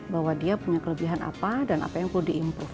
bahwa dia punya kelebihan apa dan apa yang perlu di improve